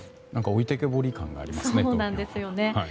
置いてけぼり感がありますね。